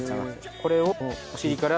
これをお尻から。